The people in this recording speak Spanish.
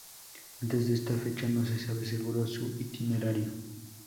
Antes de esta fecha no se sabe seguro su itinerario.